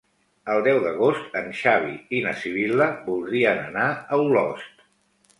El deu d'agost en Xavi i na Sibil·la voldrien anar a Olost.